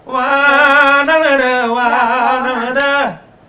ว่านั่นเดอร์ว่านั่นเดอร์